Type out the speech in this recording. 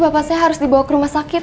bapak saya harus dibawa ke rumah sakit